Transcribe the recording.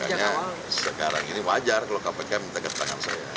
makanya sekarang ini wajar kalau kpk minta keterangan saya